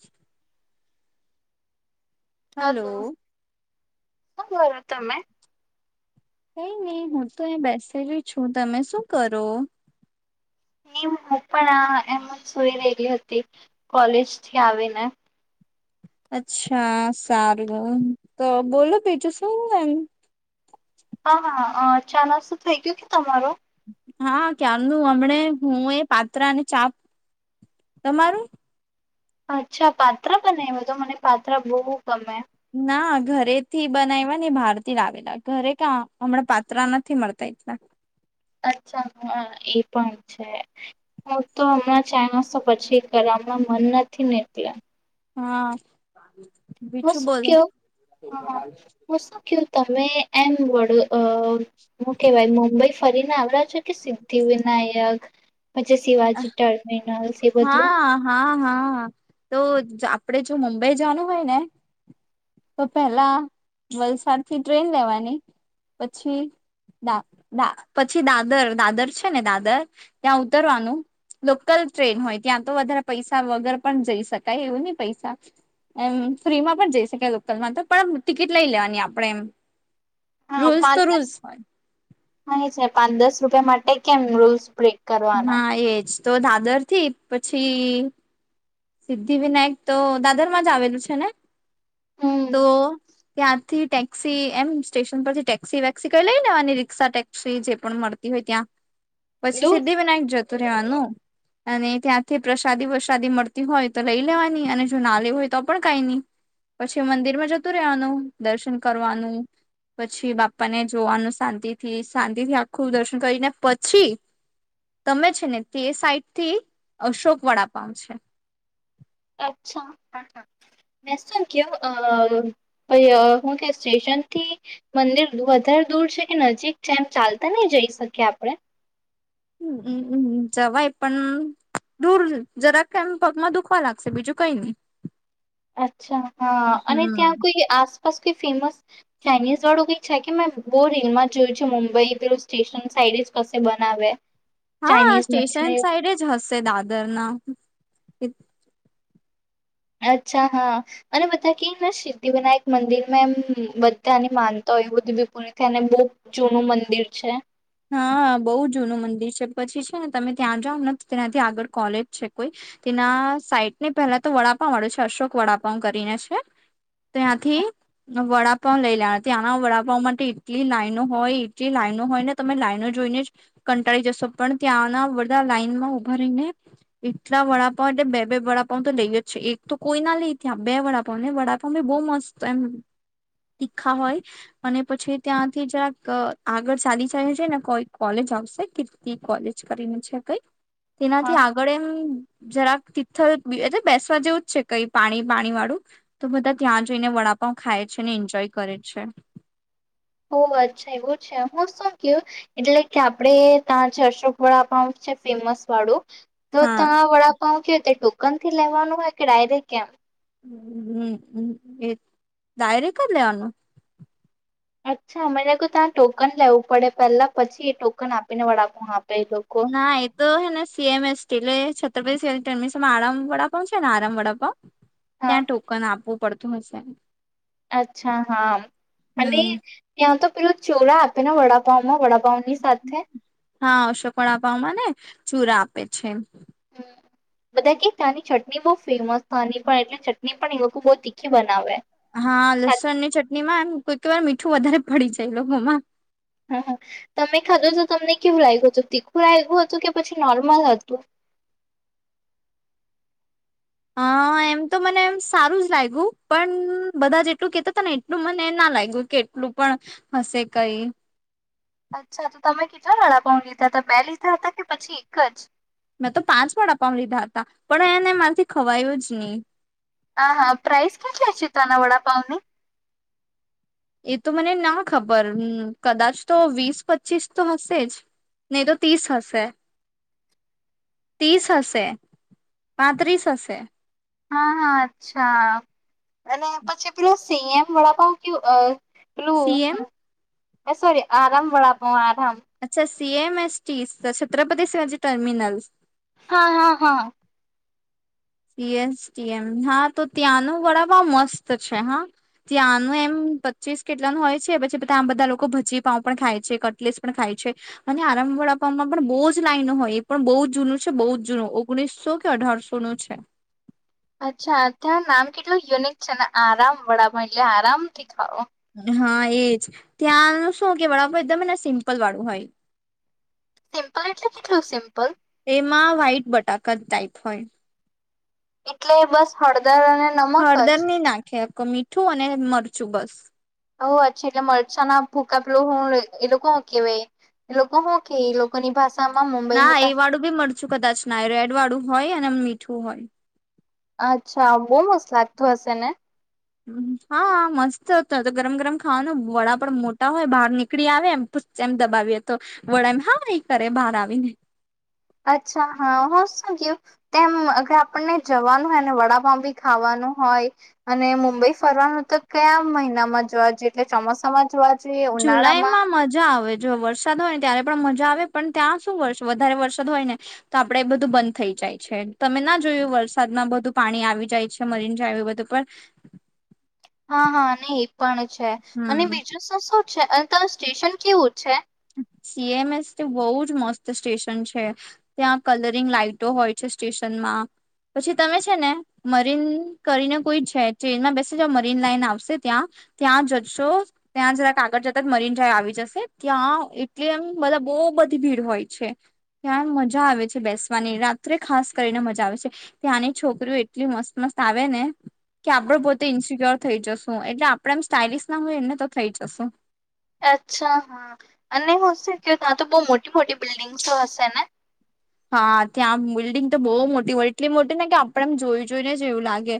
શ [unintelligible] હલો. હ બર તમમે કઈ નહી હું તો બેસેલી છું તમે શું કરો. હું પણ આ એમ સુઈ રહેલી હતી કોલેજ થી આવીને. અચ્છા સારું તો બોલો બીજું શું એમ. હા-હા ચા નાસું થઇ ગયું કે તમારું હા કારનું હમને હું એ પાત્ર અને ચા તમારું? અચ્છા પાત્ર બને એ બધ મને પાત્ર બહુ ગમે ના ઘરે થી બનાવવા ને બહાર થી લાવેલા ઘરે કા હમણાં પાત્ર નથી મળતા [inaudible] એ પણ છે. હું તો હમણાં ચાણસો પછી કર્યા હમણાં મન નથી નીકળ્યા. હમ. હું શું ક હું શું ક તમે એમ વડ. અ મુું કેહેવાય મુંબઈ ફરીને આવડ છ કે સિદ્ધિ વિિનાયક. એ બધું હા હા હા તો. આપડે જો મુંબઈ જવાનું હોય ને. તો પેલા વલસાડ થી ટ્રેન લેવાની પછી. ાા પછી દાદર દાદર છે ને દાદર ત્યાં ઉતરવાનું. લોકલ ટ્રેન હોય ત્યાં તો વધારે પૈસા વગર પણ જઈ શકાય એવું નહી પૈસા. એમ ફ્રીમાં પણ જઈ શકેાય લોકલમાં તો પણ ટિકિટ લઈ લેવાની આપણેે એમ. હા રૂલ્સ તો પાંચ દસ રોૂલ્સ હોય. હા એ છે પાંચ દસ રૂપિયા માટે કેમ રોલ્ સ્પ્રે. હા એજ તો દાદર થી પછી. સિદ્ધિ વિનાયક તો દાદર માં જ આવેલું છે ને હમ તો. ત્યાંથી ટેક્સી એમ સ્ટેશન પરથી ટેક્સી વેક્સી કઈ લઈનેેવાની રિક્ષા ટેક્સી જે પણ મળતી હો. ય ત્યાં. પછી દૂર સિદ્ધિ વિિનાયક જતું રહેવાનું અને ત્યાંથી પ્રસાદી વસાદી મળત. હોય તો લઈ લેવાની અને જો ના લે હોય તો પણ કઈ નઈ. પછી મંદિર માં જતું રહેવાનું દર્શન કરવાનું પછી બાપાને જોવાનું શાંતિ થી, શાંતિ થી આખું દર્શન કરીને પછી તમે છે ને, તે સાઈટ થી અશોક વડા પાંઉ છે. અચ્છા! વેસ્ટર્ન ક્યો, અ હું કે સ્ટેશન અન થી મંદિર વધારે દૂર છે કે નજીક છે એમ ચાલતા નઈ જઈ શકીએ આપણે? [inaudible] ઉં હમમમ જવાય પણ દૂર, જરાક એમ પગમાં દુખવા લાગશે, બીજું કંઈ ની અચ્છા, હાં અને ત્યાં કોઈ આસપાસ કે ફેમસ ચાઇનીઝ વાળું કંઈ છે કે? મેં બો રીલ માં જોયું છે મુંબઈ, પેલું સ્ટેશન સાઈડે જ કસે બના આવે હા, સ્ટેશન સાઈડે જ હશે દાદર ના અચ્છા, હા અને બધા કેયને સિદ્ધિ વિનાયક મંદિરમાં એમ બધ્ધાની માનતા ઓય એવુંબ્ધી બી પુરી થાયને બો જૂનું મંદિર છે હાં, બહુ જૂનું મંદિર છે, પછી છે ને તમે ત્યાં જાઓને તો, તેનાથી આગળ કોલેજ છે કોઈ તેના સાઈટ ને પહેલા તો વડાપાંવ વાળું છે, અશોક વડાપાંવ કરીને છેશ ત્યાંથી વડાપાવ લઈ લેઆના, ત્યાંના વડાપાવ માટે એટલી લાઈનો હોય, એટલી લાઈ આઈનો હોય ને તમે લાઈનો જોઈને જ કંટાળી જશો, પણ ત્યાંના બધા લાઈન માં ઉભા રહીને, એટલા તા વડાપઉ એટલે બે બે વડાપાવ તો દઈ જ છે. એક તો કોઈ ના લઈ ત્યાં, બે વડાપાાવ, ને વડાપાવ બઉ મસ્ત તો એમ, તીખા હોય અને પછી ત્યાંથી જરાક આગળ ચાલી તને છે ને કોઈ કોલેજ આવશે, કીર્તિ કોલેજ કરીને છે કઈ. તેનાથી હા આગળ એમ જરાક તિથલ એટલે બેસવા જેવું જ છે કઈ પાણી પાણી વાળું, તો બધા ત્યાં જઈને વડા પાવ ખાય છે ને ઇન્જોય કરે છે. [inaudible] ઓ અચ્છા એવું છે. હું શું કેઉ, એટલે કે આપડે તા જે અશોક વડાપાવ છે ફેમસ વાળું તો હા તા વડાપાઉ કેરીતે ટોકન થી લેવાનું હોય કે ડાયરેક્ટ કેમ? હમ્મ હમ્મ એ, ડાયરેક જ લેવાનું. અચ્છા મને લાઇગુ તા ટોકન લેવું પડે પેહલા પછી એ ટોકન આપીને વડાપાઉ આપ ના એ તો હે ને સી એમ એસ કે એટલે છત્રીશ [unintelligible] મિસમાં આરામ વડાપાઉ છે ને આરામ વડાપાઉ, હા ત્યાં ટોકન આપુ પડતુ હસે. અચ્છા હા, અને હમ ત્યાં તો પેલું ચોરા આપે ને વડાપાવ માં વડા હા અશોક વડપાઉમાં ને, ચૂરા આપે છે. હમ્મ. બધા કે તાની ચટની બો ફેમસ આની પણ એટલી ચટણી પણ એ લોકો બહુ તીખી બનાવે. હા લસણ ની ચટણી માં એમ કોઈ કોઈ વાર મીઠું વધારે પડી જાય એ લોકોમાં. હા હ, તમે ખાધો તો તમને કેવું લાઇગુ તું, તીખું લાઇગુ હતું કે પછી નોર્મલ હતું? હા એમ તો મને સારું જ લાઇગુ, પણ બધા જેટલું કેતા તા ને એટલું મને ના લાઇગુ કે એટલું પણ હશે કઈ. અચ્છા તો તમે કેટલા વડાપાવ લીધા તા, બે લીધા હતા કે પછી એક જ? મેં તો પાંચ વડાપાઉ લીધા હતા પણ એને મારથી ખવાયું જ ની. હા હા પ્રાઇસ કેટલી છે ત્યાં ના વડાપાઉ ની? એ તો મને ના ખબર, કદાચ તો વીસ પચીસ તો હશે જ. નહી તો તીસ હશે. તીસ હશે, પાંત્રીસ હશે. હા હા અચ્છા અને પછી પેલો સી એમ વડાપાઉ કેવું અ પેલુ હું સીએમ અ સોરી આરામ વડાપાઉ આ અચ્છા સી એમ એસથી છત્રપતિ શિવાજી ટર્મિનલસ. હા હા હા. સીએસટીએમ હા તો ત્યાં નો વડાપાઉ મસ્ત છે હા ત્યાંનું એમ પચીસ કેટલાનું હોય છે પછી આમ બધા લોકો ભાજીપાઉ પણ ખાય છે કટલેસ પણ ખાય છે. આરામ વ આપવામાં પણ બહ જ લાઈનો હોય એ પણ બહુ જ જૂનું છે બહુ જ જૂનું ઓગણીસો કે. અઢારસો નું છે. અચ્છા ત્યાં નામ કેટલું યુનિક છે ને આરામ વડાપાઉ એટલે આરામ થી ખાવ. હા એજ ત્યાંનું શું કે વાળ એકદમને સિમ્પલ વાળું હોય. સિમ્પલ એટલે કેટલુ સિમ્પલ. એમાં વ્હાઈટ બટાકા ટાઈપ હોય. એટલે બસ હળદર અને નમક હળદર જ. નહી નાખે મીઠું અને મરચું બસ. હ્જીએટલે મરચા ના ભુકા પેલો હું એ લોકો કહૅ વાય. લોકો હો કે લોકોની ભાષા ના એ વાળું બી મરચું કદાચ ના રેડ વાળું હોય અને મીઠું હોય. અચ્છા બહુ મસ્ત લાગતુ હશે ને. હા મસ્ત તો તો ગરમ ગરમ ખાવાના વડા પણ મોટા હોય બહાર નીકળી આવે એમ તો. જેમ દબાવીએ તો વડા એમ હાય કરે બહાર આવીને. અચ્છા હા હ શું થયું તેમ અગર આપણને જવાનું હોય ને વડાપાવ બી ખાવાનું. હોય અને મુંબઈ ફરવાનું તો કયા મહિનામાં જોવા જઈએ એટલે ચોમાસામાં જોવાય. જુલાઈ માં મજા આવે જો વરસાદ હોય ને ત્યારે. પણ મજા આવે પણ ત્યાં શું વરસે વધારે વરસાદ હોય ને તો આપડે એ બધું બંધ થઈ જાય છે તમે ના જોયુ. ય વરસાદમાં બધું પાણી આવી જાય છે મરીનડ્રાઇવ પર. હા હા ને એ પણ છે અને હમ બીજું શુ શું છે તે સ્ટેશન કેવું છે. સીએમએસ તો બહુ જ મસ્ત સ્ટેશન છે ત્યાં કલરીંગ લાાઈટો હોય છે સ્ટેશનમાં. ના. પછી તમે છે ને મરીન કરીને કોઈ છે ટ્રેનમાં બેસે જ મરીન લાઈન આવશે ત્યાં. ત્યાં જશો ત્યાં જરા કાગળ જતા મરીન જાય આવી જશે ત્યાં. એટલે એમ બધા બહુ બધી ભીડ હોય છે. ત્યાં મજા આવે છે બેસવાની રાત્રે ખાસ કરીને મજા આવે છે ત્યાંની છોકરીઓ એટલી મસ્ત મસ્ત. આવે ને કે આપડે પોતે ઇન્સિક્યોર થઈ જશું એટલે આપણેે એમ સ્ટાઇલિશ ના હોય એને તો થઈ જશું. અચ્છા હા અને એુંશે કે ત્યાં તો બહ મોટી મોટી બિલ્ડિંગસો હશે ને. હા ત્યાં બિલ્ડિંગ તો બહુ મોટી હોય એટલી મોટી ને કે આપડેમ જોઈ જોઈને જ એવું લાગે.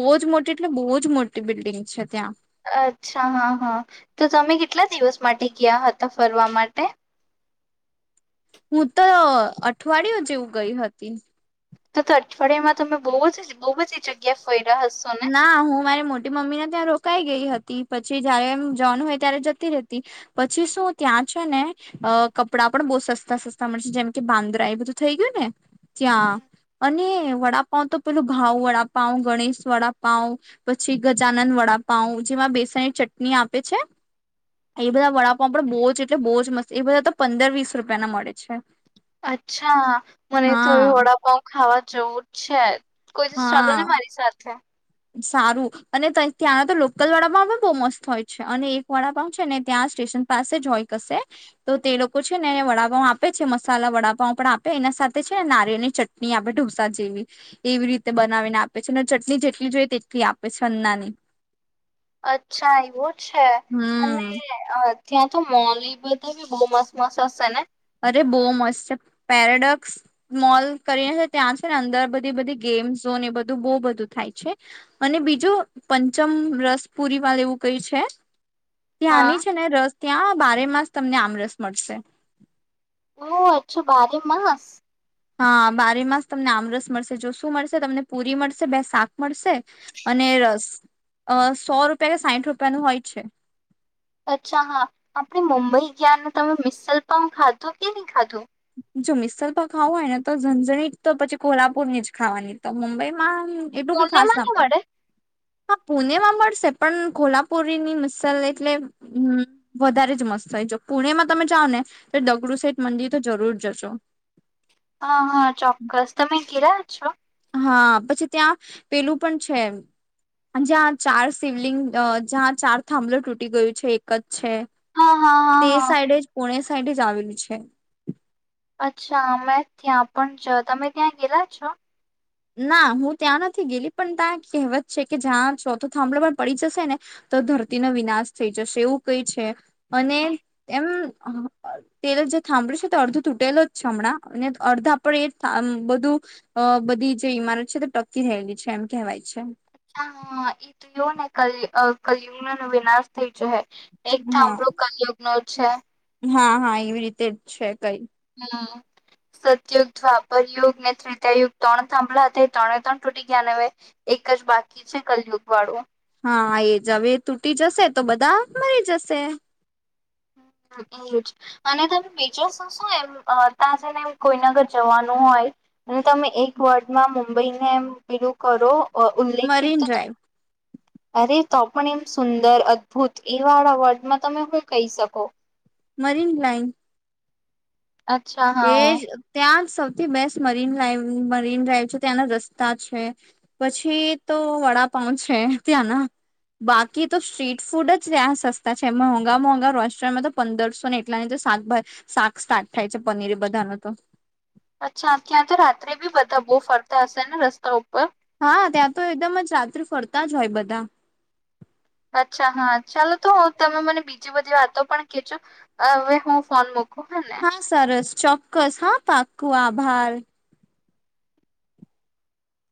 બહુ જ મોટી એટલે બહુ જ મોટી બિલ્ડિંગ છે ત્યાં. અચ્છા હા હા તો તમે કેટલા દિવસ માટે ગયા હતા ફરવા માટે. [inaudible] હું તો અઠવાડિયયો જેવું ગઈ હતી. તો તો અઠવાડિયામાં તમે બહુ જ બહુ જ જગ્યા ફરી. ના હું મારી મોટી મમ્મી ને ત્યાં રોકાઈ ગ. હતી પછી જયારે એમ જવાનું હોય ત્યારે જતી રતી પછી શું ત્યાં છે ને. કપડાં પણ બહુ સસ્તા સસ્તા મળશે જેમ કે બાંદ્રા એ બધું થઈ ગયું ને ત્યાં. અને વડાપં તો પેલું ભાવ વડાપાવ ગણેશ. વડાપઉ પછી ગજાનન વડાપઉ જેમાં બેસણ ચટણી આપે છે. એ બધા વડાપ આપડ બહુ જ એટલે બહુ જ મસ્ત એ બધા તો પંદર વીસ રૂપિયાના મળે છે. અચ્છા મને તો હા. વડાપઉ ખાવા જવું જ છે. કોઈ તો ચાલો ને મારી સાથે. સારું અને ત્યાંના તો લોકલ વાડાપાવ પણ બહુ મસ્ત હોય છે અને એક વાડાપાવ છે ને ત્યાં. પાસે જય ક તો તે લોકો છે ને વડાપાવ આપે છે મસાલા વડાપાાવ પણ આપે એના છે નારિે ની ચટણી આપે ઢોસા જેવી એવી રીતે બનાવીને આપે છે ને ચટણી જેટલી કેટલી જોઈ તેટલી આપે છે અન્નાની અચ્છા એવું છે અને હમ ત્યાં તો મોલલી બધા ભી બહુ મસ મસ હશે ને અરે બહુ મસ્ત છે પેરાડોક્સ મોલ કરીને છે ત્યાં છે ને અંદર બધી બધી ગે એ બધું બ બધું થાય છે અને બીજું પંચમ રસ પુરી વાળું એવું ક હા ત્યાંની છે ને રસ ત્યાં બારે માસ તમને આમ રસ મળશે ઓ હછો બારે માસ હા બારે માસ તમને આમરસ મળશે જો શું મળશે તમને પુરી મળશે બે શાક મળશે અને રસ અ સો રૂપિયા કે સાઠ રૂપિયાનું હોય છે અચ્છા હા આપણેે મુંબઈ ગયા તમે મિસલપામ ખાધો કે નહી ખાધો જો મિસલ પર ખાવું હોય ને તો ઝનઝણી જ તો પછી કોલ્હાપુર ની જ ખાવાની તો મુંબઈમાં હમ એટલું કઈ પુણે ખાસ માં ના નહી પડે મળે હા પુણે માં મળશે પણ કોલ્હાપુરી ની મસાાલ એટલે હ વધારે જ મસ્ત થ પુણેમાં તમે જાાવ ને તો દગડું સાઠ મંદિર તો જરૂર જશો હા હા ચોક્કસ તમે ઘરા છો હા પછી ત્યાં પેલું પણ છે જ્યાં ચાર શિવલિંગ જ્યાં ચાર થાંભલો તૂટી ગયું છે એક જ છે હા હા હા તે હા સાઈડે જ પોુણે સાઈડ જ આવેલું છે અચ્છા મેમે ત્યાં પણ જ તમે ત્યાં ગેલા છો ના હું ત્યાં નથી ગેલી પણ ત્યાં કહેવત છે કે જ્યાં ચોથો થાંભલો પણ પડી જશે ને તો ધરતીનો વિનાશ થઈ જશે એવું કઈ છે અને એમ તે થંભળ્યું છે તો અર્ધ તૂટેલો જમણાં અને અર્ધ આપડે એ બધું બધી તે ઈમારત છે તો ટકી રહેયલી છે એમ કહેવાય છે અચ્ હ એ તું એવ ને કલ કલયુ ન વિનાશ થઈ એક થંભડો હા કલયુગ્ ન છે હા હા! એવી રીતે જ છે કઈ હા સતયુગ દ્વાપર યુગ ને ત્રેતા યુગ ત્રણ સાંભળા હતા એ ત્રણે ત્રણ તૂટી ગયા ન અવે એક એક જ બાકી છે કલિયુગ વાળું. હા! એ જ અવે એ તૂટી જશે તો બધા મરી જશે. હમ એજ અને તમે બીજો શું શું એમ અ તા જઈને એમ કોઈના ઘર જવાનું હોય અને તમે એક વર્ડમાં મુંબઈને એ પેલું કરો અ ઉલ્લેખિત મરીન તો ડ્રાઈવ અરે તો પણ એમ સુંદર અદભુત એ વાળા વર્ડમાં તમે હું કઈ શકો? મરીન લાઈન અચ્છા હા એજ ત્યાં સૌથી best marine live marine drive છે, ત્યાંના રસ્તા છે, પછી તો વડા પાઉ છે ત્યાં ના. બાકી તો સ્ટ્રીટ ફૂડ જ ત્યા સસ્તા છે. મોંઘા મોંઘા રોસ્ટોરન્ટમાં તો પંદરસો ને એટલા ની તો શાકભ શાક સ્ટાર્ટ થાય છે પનીર બધાનું તો. અચ્છા! ત્યાં તો રાત્રે બી બધા બો ફરતા હશે ને રસ્તા ઉપર? હા ત્યાં તો એકદમ જ રાત્રે ફરતા જ હોય બધા. અચ્છા હા ચાલો તો હું તમે મને બીજી બધી વાતો પણ કેજો અવે હું ફોન મુક હા સરસ, ચોક્કસ, હા પાકું, આભાર.